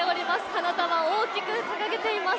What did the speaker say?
花束を大きく掲げています。